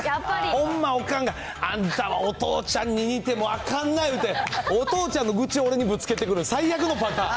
ほんま、おかんが、あんたはお父ちゃんに似てあかんな言うて、お父ちゃんの愚痴を俺にぶつけてくる、最悪のパターン。